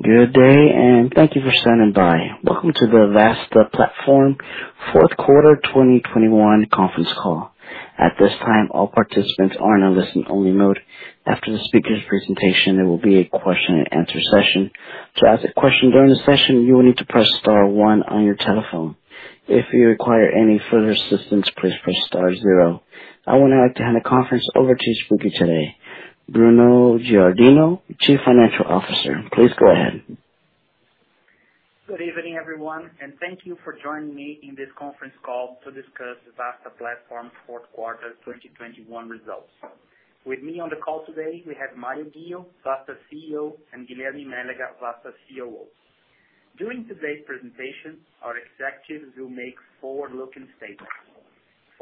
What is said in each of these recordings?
Good day, and thank you for standing by. Welcome to the Vasta Platform Fourth Quarter 2021 conference call. At this time, all participants are in a listen-only mode. After the speaker's presentation, there will be a question and answer session. To ask a question during the session, you will need to press star one on your telephone. If you require any further assistance, please press star zero. I would now like to hand the conference over to speaker today, Bruno Giardino, Chief Financial Officer. Please go ahead. Good evening, everyone, and thank you for joining me in this conference call to discuss the Vasta Platform fourth quarter 2021 results. With me on the call today, we have Mário Ghio, Vasta CEO, and Guilherme Mélega, Vasta COO. During today's presentation, our executives will make forward-looking statements.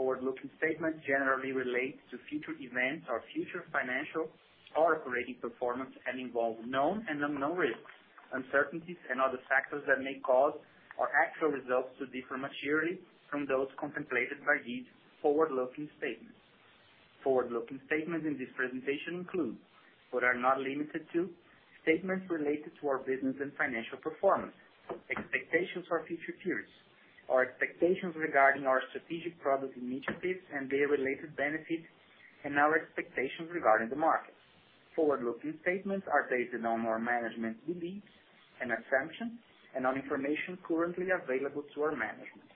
Forward-looking statements generally relate to future events or future financial or operating performance, and involve known and unknown risks, uncertainties and other factors that may cause our actual results to differ materially from those contemplated by these forward-looking statements. Forward-looking statements in this presentation include, but are not limited to, statements related to our business and financial performance, expectations for future periods, our expectations regarding our strategic product initiatives and their related benefits, and our expectations regarding the market. Forward-looking statements are based on our management's beliefs and assumptions and on information currently available to our management.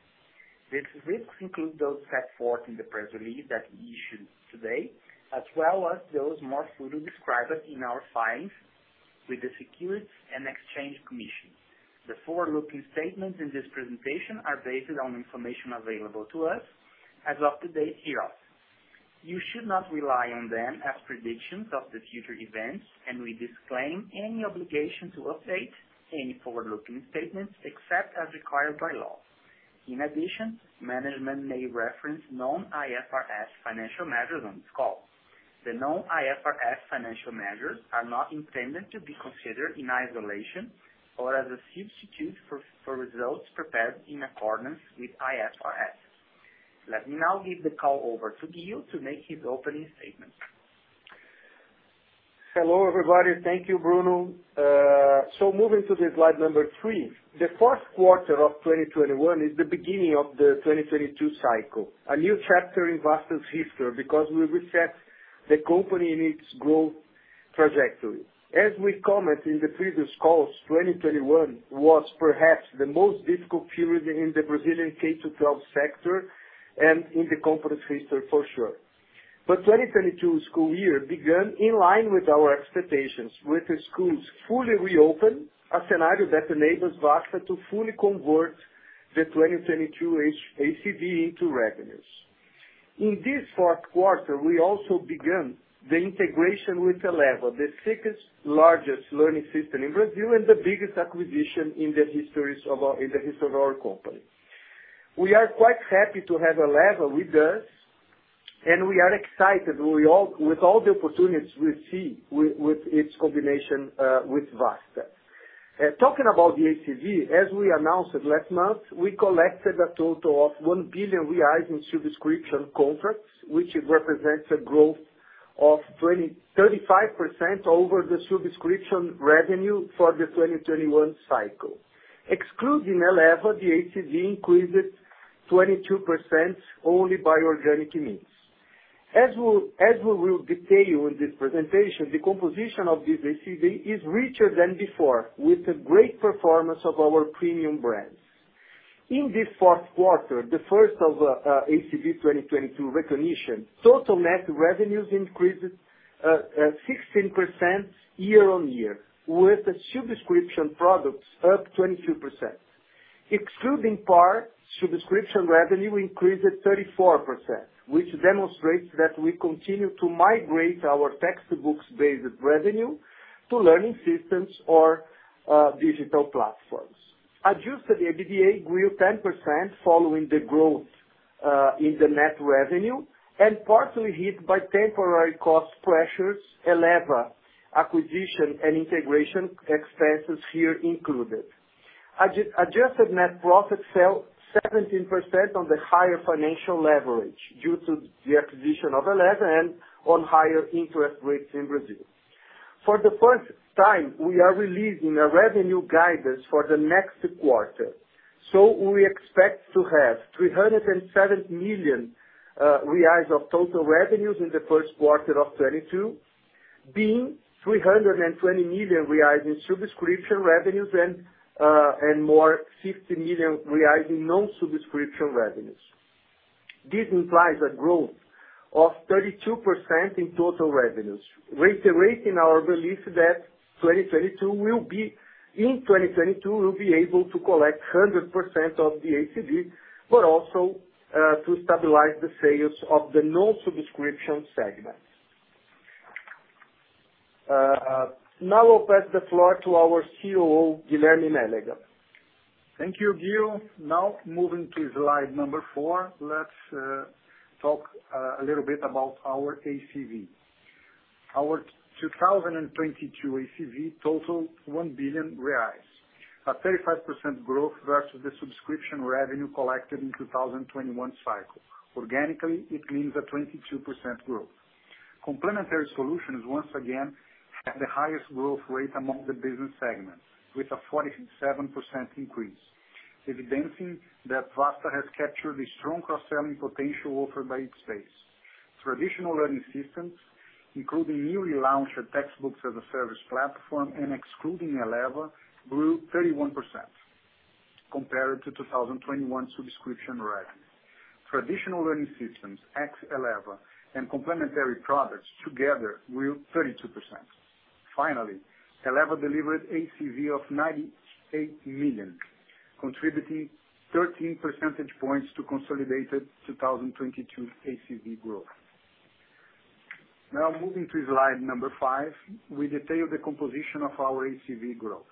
These risks include those set forth in the press release that we issued today, as well as those more fully described in our filings with the Securities and Exchange Commission. The forward-looking statements in this presentation are based on information available to us as of the date hereof. You should not rely on them as predictions of the future events, and we disclaim any obligation to update any forward-looking statements except as required by law. In addition, management may reference non-IFRS financial measures on this call. The non-IFRS financial measures are not intended to be considered in isolation or as a substitute for results prepared in accordance with IFRS. Let me now give the call over to Ghio to make his opening statement. Hello, everybody. Thank you, Bruno. Moving to the Slide three. The fourth quarter of 2021 is the beginning of the 2022 cycle, a new chapter in Vasta's history because we reset the company in its growth trajectory. As we comment in the previous calls, 2021 was perhaps the most difficult period in the Brazilian K-12 sector and in the company's history for sure. 2022 school year began in line with our expectations with the schools fully reopened, a scenario that enables Vasta to fully convert the 2022 ACV into revenues. In this fourth quarter we also began the integration with Eleva, the second largest learning system in Brazil and the biggest acquisition in the history of our company. We are quite happy to have Eleva with us, and we are excited with all the opportunities we see with its combination with Vasta. Talking about the ACV, as we announced it last month, we collected a total of 1 billion reais in subscription contracts, which represents a growth of 35% over the subscription revenue for the 2021 cycle. Excluding Eleva, the ACV increased 22% only by organic means. As we will detail in this presentation, the composition of this ACV is richer than before, with a great performance of our premium brands. In this fourth quarter, the first of ACV 2022 recognition, total net revenues increased 16% year-on-year, with the subscription products up 22%. Excluding PAR, subscription revenue increased 34%, which demonstrates that we continue to migrate our textbooks-based revenue to learning systems or digital platforms. Adjusted EBITDA grew 10% following the growth in the net revenue and partially hit by temporary cost pressures, Eleva acquisition and integration expenses here included. Adjusted net profit fell 17% on the higher financial leverage due to the acquisition of Eleva and on higher interest rates in Brazil. For the first time, we are releasing a revenue guidance for the next quarter. We expect to have 307 million reais of total revenues in the first quarter of 2022, being 320 million reais in subscription revenues and more than 50 million reais in non-subscription revenues. This implies a growth of 32% in total revenues, reiterating our belief that in 2022 we'll be able to collect 100% of the ACV, but also to stabilize the sales of the non-subscription segment. Now I'll pass the floor to our COO, Guilherme Mélega. Thank you, Mário Ghio. Now moving to Slide four. Let's talk a little bit about our ACV. Our 2022 ACV totaled 1 billion reais. A 35% growth versus the subscription revenue collected in 2021 cycle. Organically, it means a 22% growth. Complementary solutions once again had the highest growth rate among the business segments, with a 47% increase, evidencing that Vasta has captured a strong cross-selling potential offered by each space. Traditional learning systems, including newly launched Textbook as a Service platform and excluding Eleva, grew 31% compared to 2021 subscription revenue. Traditional learning systems ex Eleva and complementary products together grew 32%. Finally, Eleva delivered ACV of 98 million, contributing 13 percentage points to consolidated 2022 ACV growth. Now moving to Slide five, we detail the composition of our ACV growth.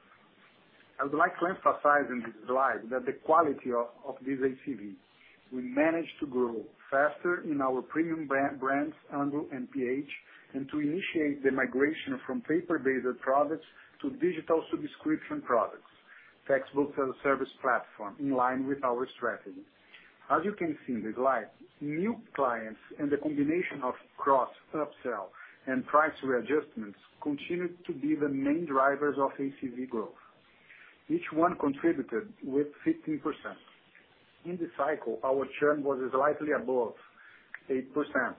I would like to emphasize in this slide that the quality of this ACV, we managed to grow faster in our premium brands, Anglo and pH, and to initiate the migration from paper-based products to digital subscription products, Textbook as a Service platform in line with our strategy. As you can see in the slide, new clients and the combination of cross-sell, upsell and price readjustments continued to be the main drivers of ACV growth. Each one contributed with 15%. In this cycle, our churn was slightly above 8%,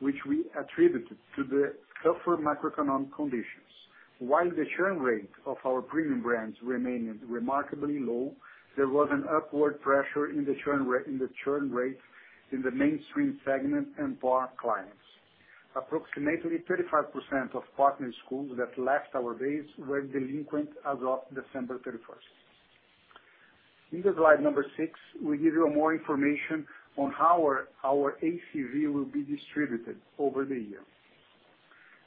which we attributed to the tougher macroeconomic conditions. While the churn rate of our premium brands remained remarkably low, there was an upward pressure in the churn rate in the mainstream segment and PAR clients. Approximately 35% of partner schools that left our base were delinquent as of December thirty-first. In the Slide six, we give you more information on how our ACV will be distributed over the year.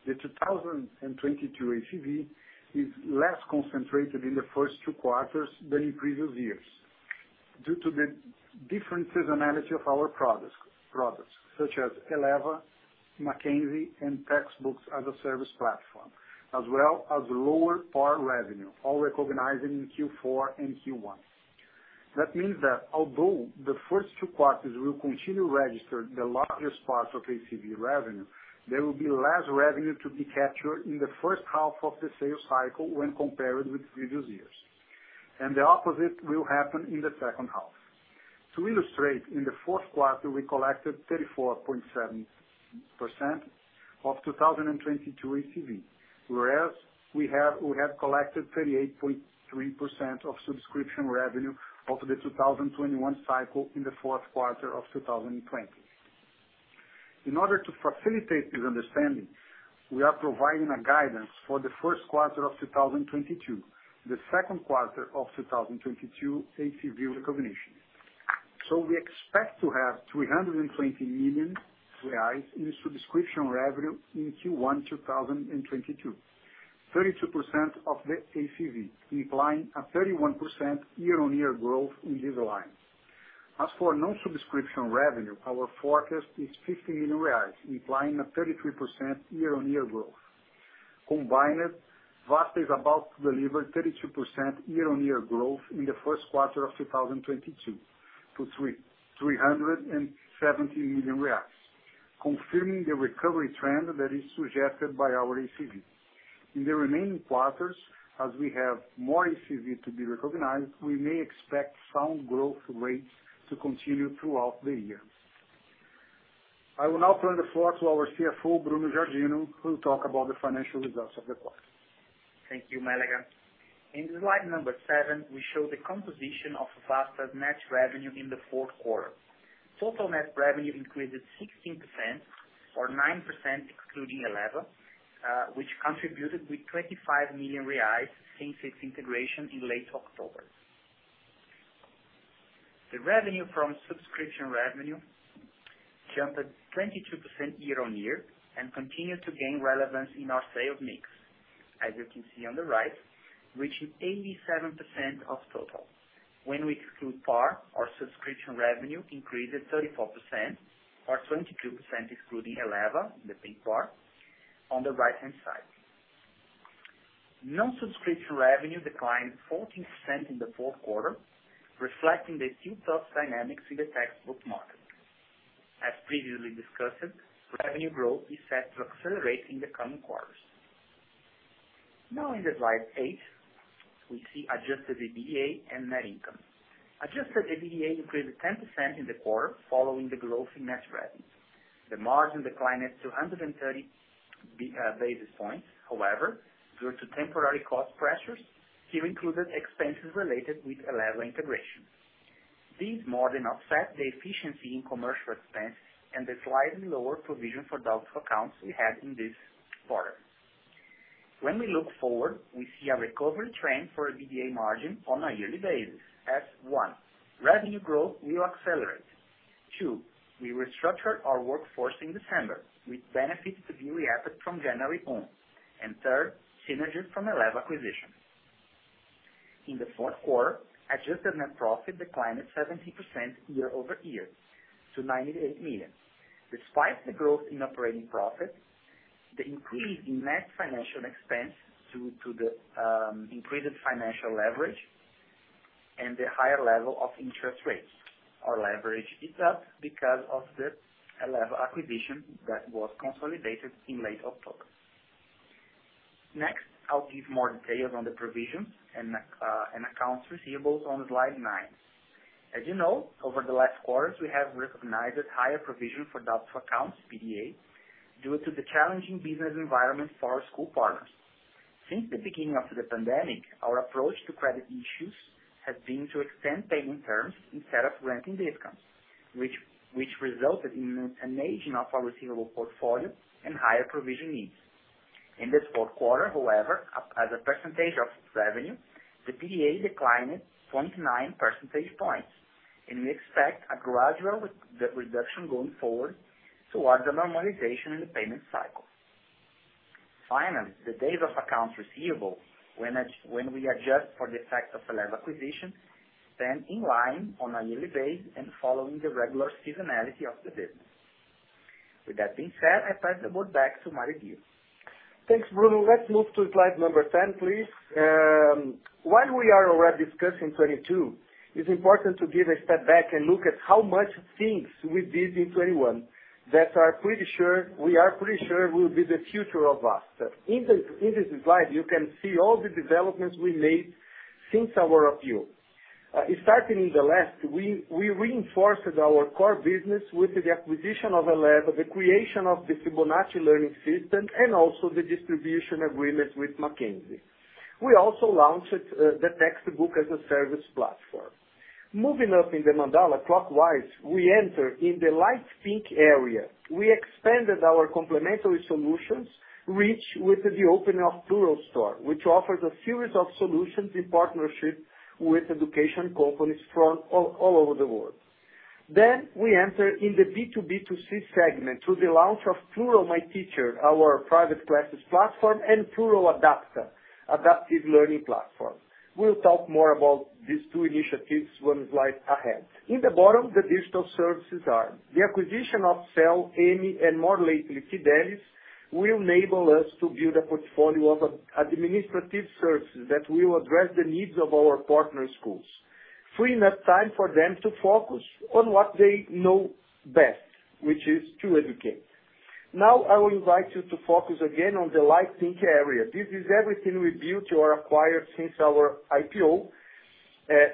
The 2022 ACV is less concentrated in the first two quarters than in previous years due to the different seasonality of our products such as Eleva, Mackenzie, and Textbook as a Service, as well as lower PAR revenue, all recognized in Q4 and Q1. That means that although the first two quarters will continue to register the largest parts of ACV revenue, there will be less revenue to be captured in the first half of the sales cycle when compared with previous years. The opposite will happen in the second half. To illustrate, in the fourth quarter we collected 34.7% of 2022 ACV, whereas we have collected 38.3% of subscription revenue of the 2021 cycle in the fourth quarter of 2020. In order to facilitate this understanding, we are providing a guidance for the first quarter of 2022, the second quarter of 2022 ACV recognition. We expect to have 320 million reais in subscription revenue in Q1 2022, 32% of the ACV, implying a 31% year-on-year growth in this line. As for non-subscription revenue, our forecast is 50 million reais, implying a 33% year-on-year growth. Combined, Vasta is about to deliver 32% year-on-year growth in the first quarter of 2023, 337 million reais, confirming the recovery trend that is suggested by our ACV. In the remaining quarters, as we have more ACV to be recognized, we may expect sound growth rates to continue throughout the year. I will now turn the floor to our CFO, Bruno Giardino, who'll talk about the financial results of the quarter. Thank you, Mélega. In Slide seven, we show the composition of Vasta's net revenue in the fourth quarter. Total net revenue increased 16% or 9%, excluding Eleva, which contributed with 25 million reais since its integration in late October. The revenue from subscription revenue jumped 22% year-on-year and continued to gain relevance in our sales mix, as you can see on the right, reaching 87% of total. When we exclude PAR, our subscription revenue increased 34% or 22%, excluding Eleva in the pink PAR on the right-hand side. Non-subscription revenue declined 14% in the fourth quarter, reflecting the tough dynamics in the textbook market. As previously discussed, revenue growth is set to accelerate in the coming quarters. Now in the Slide eight, we see adjusted EBITDA and net income. Adjusted EBITDA increased 10% in the quarter following the growth in net revenue. The margin declined to 130 basis points, however, due to temporary cost pressures, which included expenses related with Eleva integration. These more than offset the efficiency in commercial expense and the slightly lower provision for doubtful accounts we had in this quarter. When we look forward, we see a recovery trend for EBITDA margin on a yearly basis as, one, revenue growth will accelerate. Two, we restructured our workforce in December, with benefits to be reaped from January on. Third, synergies from Eleva acquisition. In the fourth quarter, adjusted net profit declined 17% year-over-year to 98 million. Despite the growth in operating profit, the increase in net financial expense due to the increased financial leverage and the higher level of interest rates. Our leverage is up because of the Eleva acquisition that was consolidated in late October. Next, I'll give more details on the provisions and accounts receivables on Slide nine. As you know, over the last quarters, we have recognized higher provision for doubtful accounts, PDA, due to the challenging business environment for our school partners. Since the beginning of the pandemic, our approach to credit issues has been to extend payment terms instead of granting discounts, which resulted in an aging of our receivable portfolio and higher provision needs. In this fourth quarter, however, as a percentage of revenue, the PDA declined 29 percentage points, and we expect a gradual reduction going forward towards the normalization in the payment cycle. Finally, the days of accounts receivable, when we adjust for the effect of Eleva acquisition, stand in line on a yearly basis and following the regular seasonality of the business. With that being said, I pass the floor back to Mário Ghio. Thanks, Bruno. Let's move to Slide 10, please. While we are already discussing 2022, it's important to take a step back and look at how much things we did in 2021 that we are pretty sure will be the future of Vasta. In this slide, you can see all the developments we made since our IPO. Starting on the left, we reinforced our core business with the acquisition of Eleva, the creation of the Fibonacci learning system, and also the distribution agreement with Mackenzie. We also launched the Textbook as a Service platform. Moving up in the mandala clockwise, we enter in the light pink area. We expanded our complementary solutions reach with the opening of Plurall Store, which offers a series of solutions in partnership with education companies from all over the world. We enter in the B2B2C segment through the launch of Plurall MyTeacher, our private classes platform and Plurall Adapta, adaptive learning platform. We'll talk more about these two initiatives one slide ahead. In the bottom, the digital services arm. The acquisition of SEL, EMME, and more lately Phidelis, will enable us to build a portfolio of administrative services that will address the needs of our partner schools, freeing up time for them to focus on what they know best, which is to educate. Now, I will invite you to focus again on the light pink area. This is everything we built or acquired since our IPO.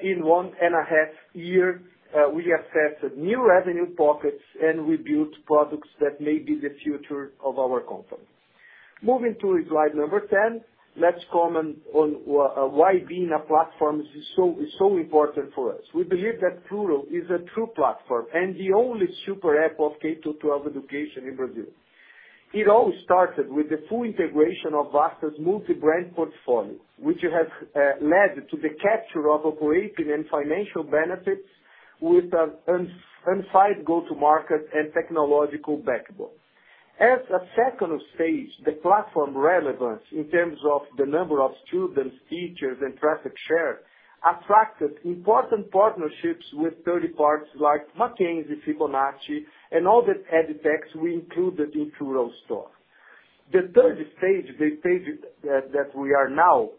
In 1.5 years, we have set new revenue pockets and we built products that may be the future of our company. Moving to Slide 10, let's comment on why being a platform is so important for us. We believe that Plurall is a true platform and the only super app of K-12 education in Brazil. It all started with the full integration of Vasta's multi-brand portfolio, which has led to the capture of operating and financial benefits with a unified go-to-market and technological backbone. As a second stage, the platform relevance in terms of the number of students, teachers and traffic share attracted important partnerships with third parties like Mackenzie, Fibonacci and all the edtechs we included in Plurall Store. The third stage, the stage that we are now,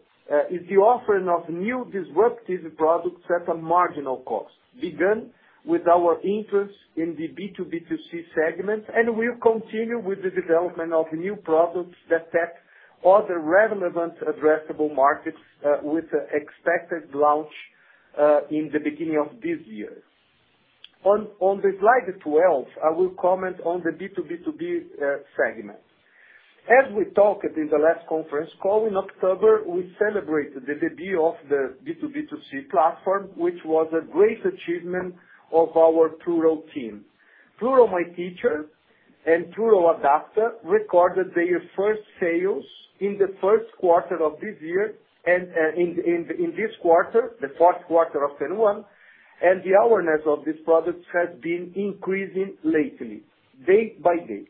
is the offering of new disruptive products at a marginal cost. We began with our interest in the B2B2C segment, and we'll continue with the development of new products that tap other relevant addressable markets with expected launch in the beginning of this year. On the Slide 12, I will comment on the B2B2C segment. As we talked in the last conference call in October, we celebrated the debut of the B2B2C platform, which was a great achievement of our Plurall team. Plurall MyTeacher and Plurall Adapta recorded their first sales in the first quarter of this year and in this quarter, the fourth quarter of 2021, and the awareness of these products has been increasing lately, day by day.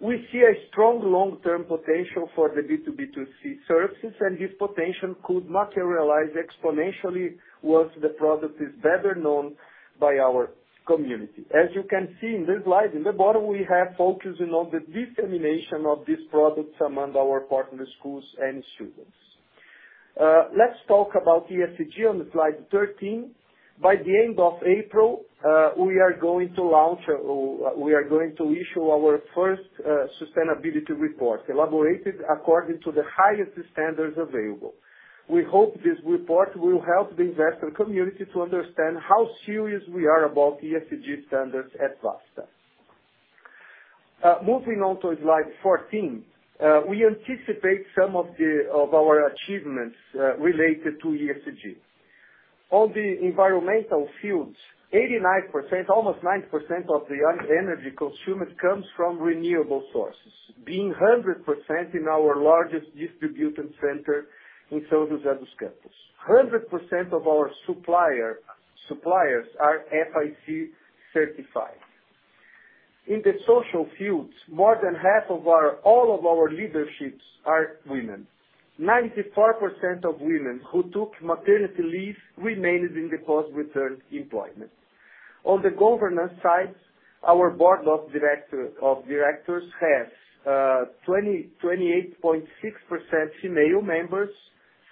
We see a strong long-term potential for the B2B2C services, and this potential could materialize exponentially once the product is better known by our community. As you can see in this slide, in the bottom we have focusing on the dissemination of these products among our partner schools and students. Let's talk about ESG on Slide 13. By the end of April, we are going to issue our first sustainability report, elaborated according to the highest standards available. We hope this report will help the investor community to understand how serious we are about ESG standards at Vasta. Moving on to Slide 14. We anticipate some of our achievements related to ESG. On the environmental fields, 89%, almost 90% of the energy consumed comes from renewable sources, being 100% in our largest distribution center in São José dos Campos. 100% of our suppliers are FSC certified. In the social fields, all of our leaderships are women. 94% of women who took maternity leave remained in the post-return employment. On the governance side, our board of directors has 28.6% female members,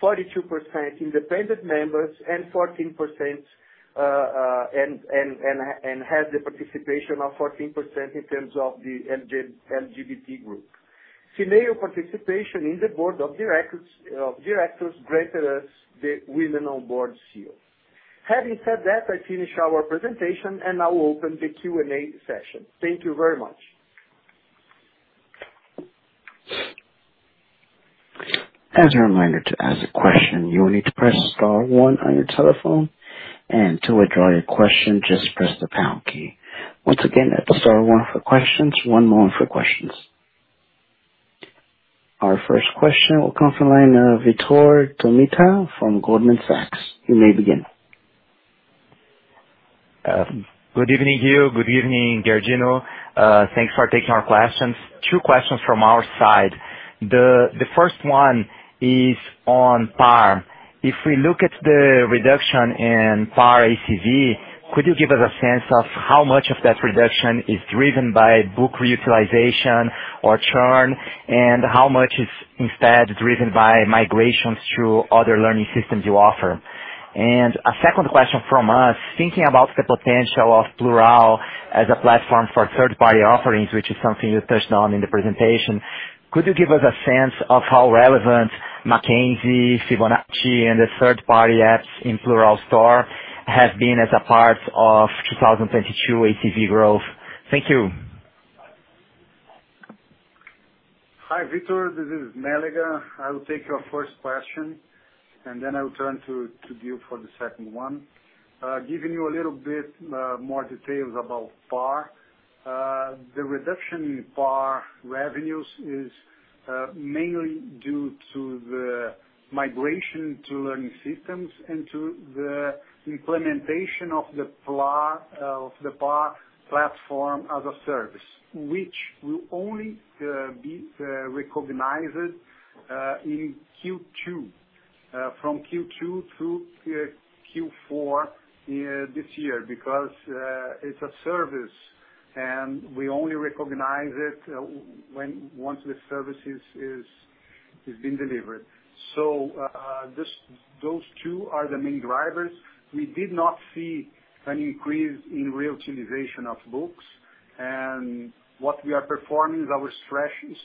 42% independent members, and 14% has the participation of 14% in terms of the LGBT group. Female participation in the board of directors grants us the Women on Boards seal. Having said that, I finish our presentation, and I will open the Q&A session. Thank you very much. As a reminder, to ask a question, you will need to press star one on your telephone, and to withdraw your question, just press the pound key. Once again, that's star one for questions. One moment for questions. Our first question will come from the line of Vitor Tomita from Goldman Sachs. You may begin. Good evening, Ghio. Good evening, Giardino. Thanks for taking our questions. Two questions from our side. The first one is on PAR. If we look at the reduction in PAR ACV, could you give us a sense of how much of that reduction is driven by book reutilization or churn, and how much is instead driven by migrations to other learning systems you offer? A second question from us, thinking about the potential of Plurall as a platform for third-party offerings, which is something you touched on in the presentation, could you give us a sense of how relevant Mackenzie, Fibonacci, and the third-party apps in Plurall Store have been as a part of 2022 ACV growth? Thank you. Hi, Vitor. This is Mélega. I will take your first question, and then I will turn to Ghio for the second one. Giving you a little bit more details about PAR. The reduction in PAR revenues is mainly due to the migration to learning systems and to the implementation of the PAR platform as a service, which will only be recognized in Q2 from Q2 through Q4 this year because it's a service, and we only recognize it when the service is being delivered. Those two are the main drivers. We did not see any increase in reutilization of books. What we are performing is our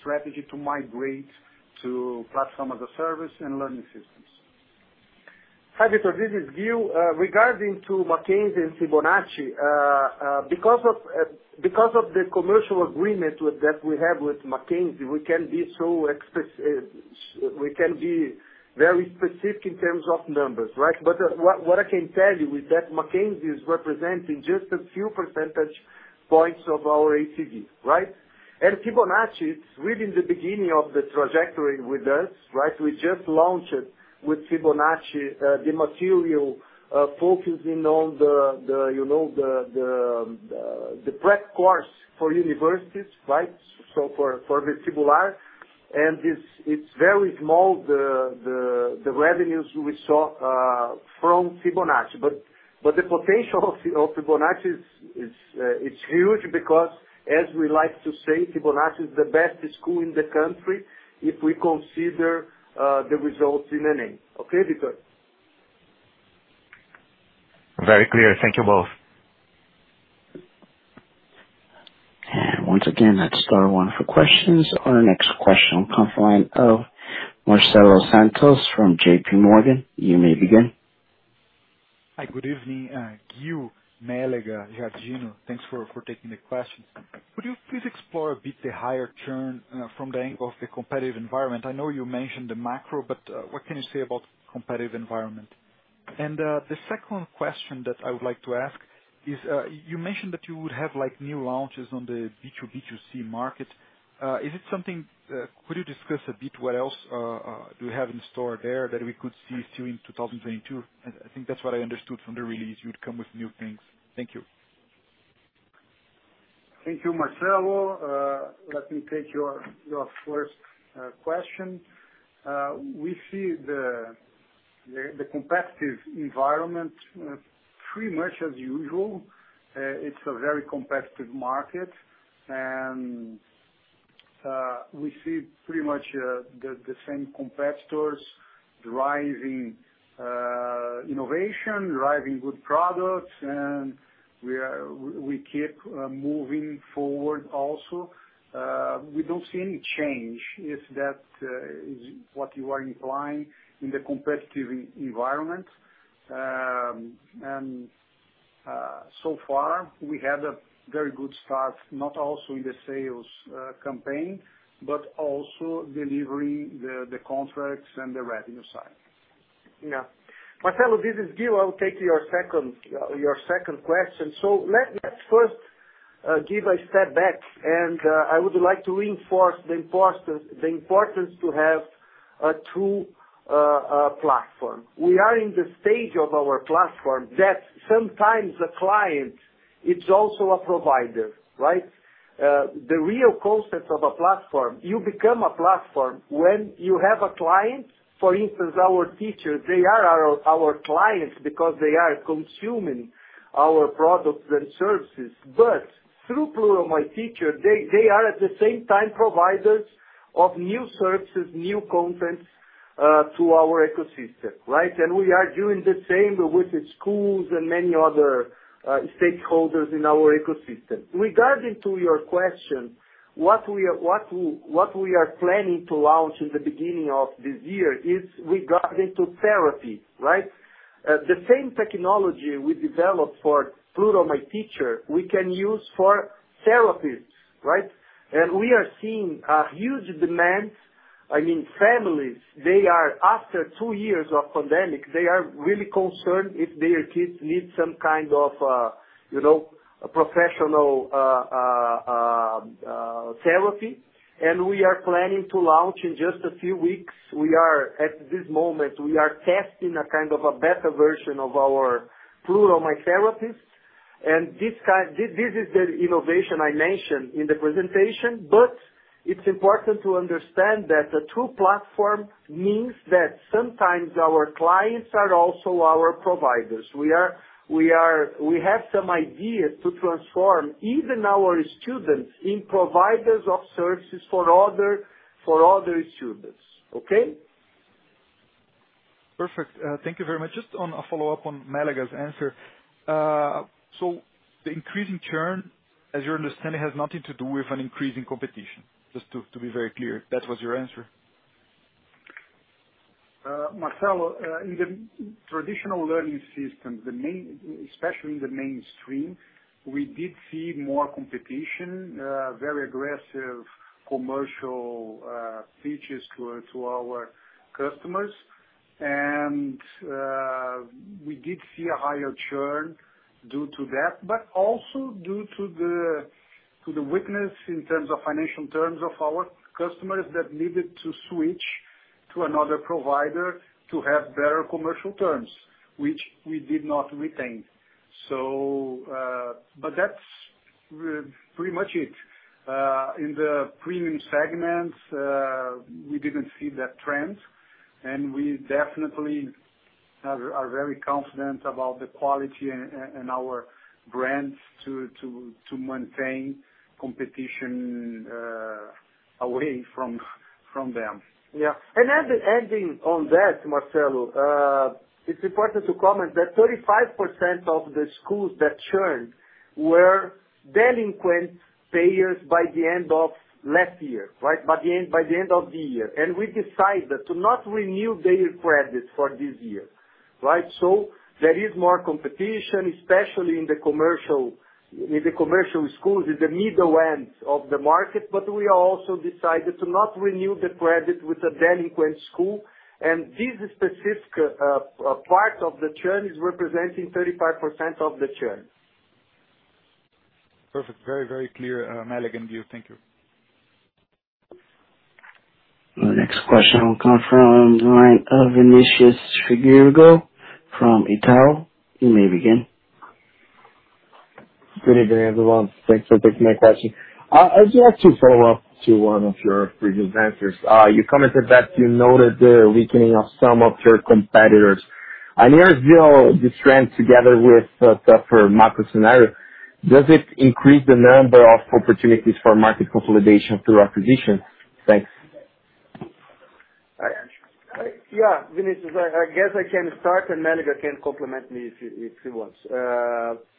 strategy to migrate to platform as a service and learning systems. Hi, Vitor. This is Ghio. Regarding Mackenzie and Fibonacci, because of the commercial agreement that we have with Mackenzie, we can't be very specific in terms of numbers, right? What I can tell you is that Mackenzie is representing just a few percentage points of our ACV, right? Fibonacci is really in the beginning of the trajectory with us, right? We just launched it with Fibonacci, the material focusing on, you know, the prep course for universities, right? For vestibular, and it's very small, the revenues we saw from Fibonacci. The potential of Fibonacci is huge because, as we like to say, Fibonacci is the best school in the country if we consider the results in ENEM. Okay, Vitor? Very clear. Thank you both. Once again, that's star one for questions. Our next question comes from the line of Marcelo Santos from J.P. Morgan. You may begin. Hi, good evening, Mário Ghio, Guilherme Mélega, Bruno Giardino. Thanks for taking the questions. Could you please explore a bit the higher churn from the angle of the competitive environment? I know you mentioned the macro, but what can you say about competitive environment? The second question that I would like to ask is you mentioned that you would have, like, new launches on the B2B2C market. Could you discuss a bit what else do you have in store there that we could see still in 2022? I think that's what I understood from the release. You'd come with new things. Thank you. Thank you, Marcelo. Let me take your first question. We see the competitive environment pretty much as usual. It's a very competitive market. We see pretty much the same competitors driving innovation, driving good products, and we keep moving forward also. We don't see any change if that is what you are implying in the competitive environment. So far we had a very good start, not only in the sales campaign, but also delivering the contracts and the revenue side. Yeah. Marcelo, this is Ghio. I will take your second question. Let's first take a step back. I would like to reinforce the importance to have a true platform. We are in the stage of our platform that sometimes the client is also a provider, right? The real concept of a platform, you become a platform when you have a client. For instance, our teachers, they are our clients because they are consuming our products and services, but through Plurall MyTeacher, they are at the same time providers of new services, new content to our ecosystem, right? We are doing the same with the schools and many other stakeholders in our ecosystem. Regarding to your question, what we are planning to launch in the beginning of this year is regarding to therapy, right? The same technology we developed for Plurall MyTeacher, we can use for therapists, right? We are seeing a huge demand. I mean, families, they are after two years of pandemic, they are really concerned if their kids need some kind of, you know, professional therapy. We are planning to launch in just a few weeks. We are at this moment testing a kind of a better version of our Plurall My Therapist. This is the innovation I mentioned in the presentation. It's important to understand that the two platform means that sometimes our clients are also our providers. We have some ideas to transform even our students in providers of services for other students. Okay? Perfect. Thank you very much. Just on a follow-up on Mélega's answer. The increase in churn, as you understand, it has nothing to do with an increase in competition. Just to be very clear, that was your answer. Marcelo, in the traditional learning system, especially in the mainstream, we did see more competition, very aggressive commercial pitches to our customers. We did see a higher churn due to that, but also due to the weakness in terms of financial terms of our customers that needed to switch to another provider to have better commercial terms, which we did not retain. That's pretty much it. In the premium segments, we didn't see that trend, and we definitely are very confident about the quality and our brands to maintain competition away from them. Yeah. Ending on that, Marcelo, it's important to comment that 35% of the schools that churned were delinquent payers by the end of last year, right? By the end of the year. We decided to not renew their credit for this year, right? There is more competition, especially in the commercial schools, in the middle end of the market, but we also decided to not renew the credit with a delinquent school. This specific part of the churn is representing 35% of the churn. Perfect. Very, very clear, Mélega and you. Thank you. The next question will come from the line of Vinicius Figueiredo from Itaú. You may begin. Good evening, everyone. Thanks for taking my question. I'd like to follow up to one of your previous answers. You commented that you noted the weakening of some of your competitors. Here's the strength together with the tougher market scenario. Does it increase the number of opportunities for market consolidation through acquisitions? Thanks. Yeah. Vinicius, I guess I can start and Mélega can compliment me if he wants.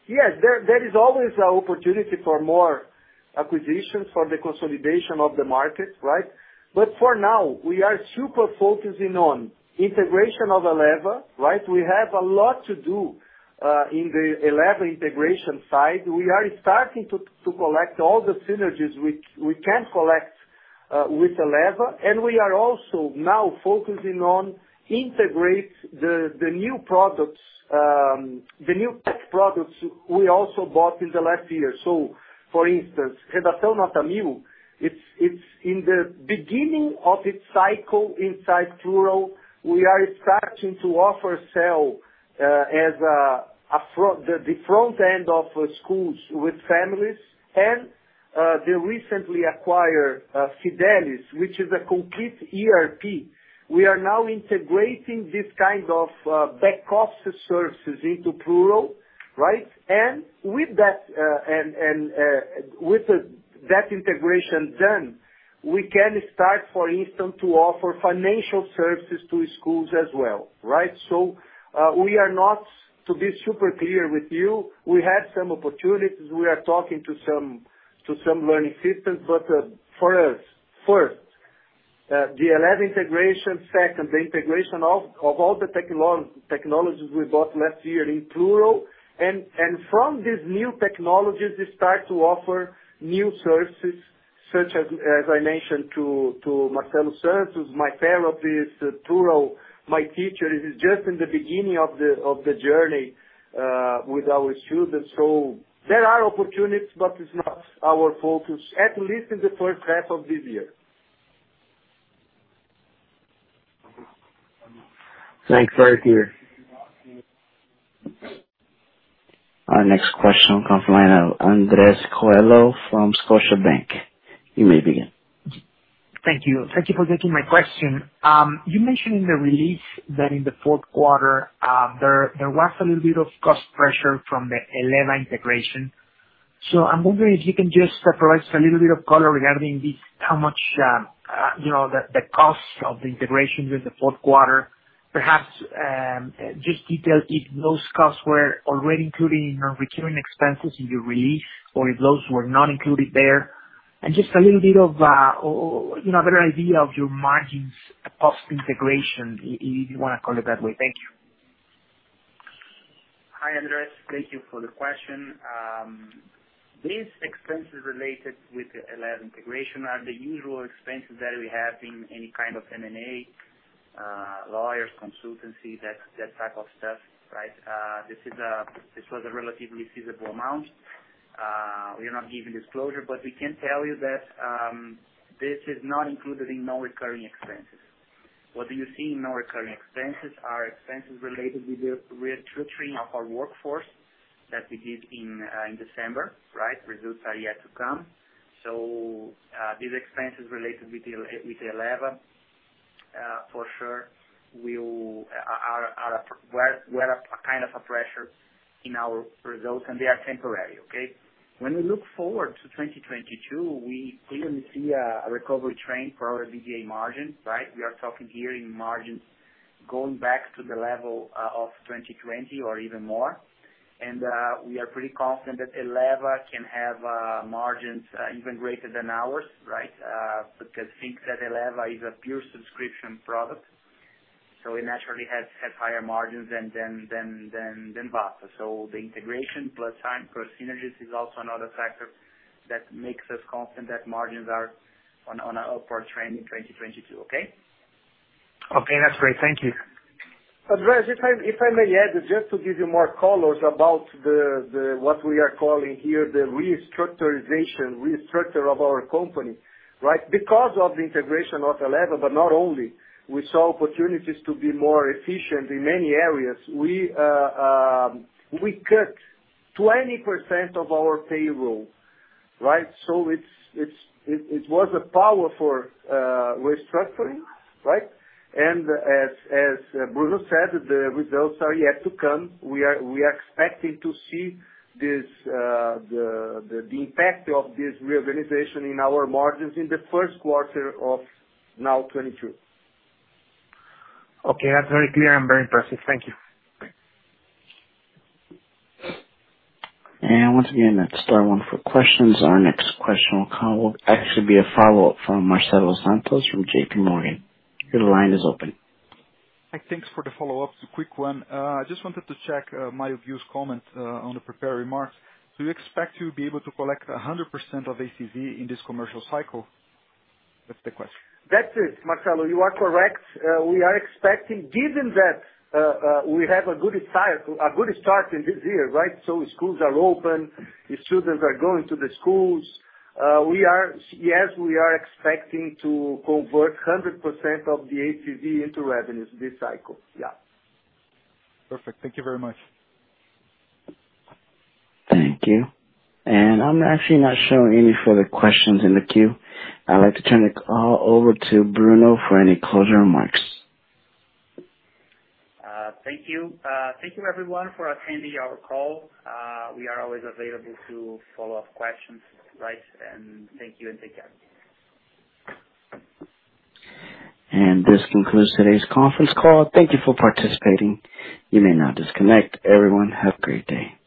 Yes, there is always an opportunity for more acquisitions for the consolidation of the market, right? For now, we are super focusing on integration of Eleva, right? We have a lot to do in the Eleva integration side. We are starting to collect all the synergies we can collect with Eleva, and we are also now focusing on integrate the new products, the new tech products we also bought in the last year. For instance, Redação Nota Mil, it's in the beginning of its cycle inside Plurall. We are starting to offer SEL as a front-end of schools with families and the recently acquired Phidelis, which is a complete ERP. We are now integrating this kind of back-office services into Plurall, right? With that integration done, we can start, for instance, to offer financial services to schools as well, right? We want to be super clear with you. We have some opportunities. We are talking to some learning systems, but for us, first, the Eleva integration. Second, the integration of all the technologies we bought last year in Plurall. From these new technologies, we start to offer new services, such as I mentioned to Marcelo Santos, Plurall MyTeacher. It is just in the beginning of the journey with our students. There are opportunities, but it's not our focus, at least in the first half of this year. Thanks, very clear. Our next question comes from the line of Andres Coello from Scotiabank. You may begin. Thank you. Thank you for taking my question. You mentioned in the release that in the fourth quarter, there was a little bit of cost pressure from the Eleva integration. I'm wondering if you can just provide a little bit of color regarding this, how much the cost of the integration during the fourth quarter. Perhaps just detail if those costs were already included in your recurring expenses in your release or if those were not included there. Just a little bit of better idea of your margins post-integration, if you wanna call it that way. Thank you. Hi, Andres Coello. Thank you for the question. These expenses related with the Eleva integration are the usual expenses that we have in any kind of M&A, lawyers, consultancy, that type of stuff, right? This was a relatively feasible amount. We are not giving disclosure, but we can tell you that this is not included in non-recurring expenses. What you see in non-recurring expenses are expenses related with the retrenching of our workforce that we did in December, right? Results are yet to come. These expenses related with Eleva for sure were a kind of a pressure in our results, and they are temporary, okay? When we look forward to 2022, we clearly see a recovery trend for our EBITDA margins, right? We are talking here in margins going back to the level of 2020 or even more. We are pretty confident that Eleva can have margins even greater than ours, right? Because the thing is that Eleva is a pure subscription product, so it naturally has higher margins than Vasta. The integration plus time plus synergies is also another factor that makes us confident that margins are on an upward trend in 2022. Okay? Okay. That's great. Thank you. Andres, if I may add, just to give you more colors about what we are calling here the restructure of our company, right? Because of the integration of Eleva, but not only, we saw opportunities to be more efficient in many areas. We cut 20% of our payroll, right? It was a powerful restructuring, right? As Bruno said, the results are yet to come. We are expecting to see this impact of this reorganization in our margins in the first quarter of 2022. Okay. That's very clear and very impressive. Thank you. Once again, that's star one for questions. Our next question will actually be a follow-up from Marcelo Santos from J.P. Morgan. Your line is open. Hi. Thanks for the follow-up. It's a quick one. I just wanted to check Mário Ghio comment on the prepared remarks. Do you expect to be able to collect 100% of ACV in this commercial cycle? That's the question. That's it, Marcelo, you are correct. We are expecting given that we have a good start in this year, right? Schools are open, the students are going to the schools. We are expecting to convert 100% of the ACV into revenues this cycle. Yeah. Perfect. Thank you very much. Thank you. I'm actually not showing any further questions in the queue. I'd like to turn the call over to Bruno for any closing remarks. Thank you. Thank you everyone for attending our call. We are always available to follow up questions. Right. Thank you and take care. This concludes today's conference call. Thank you for participating. You may now disconnect. Everyone, have a great day.